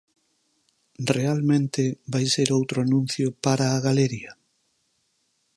¿Realmente vai ser outro anuncio para a galería?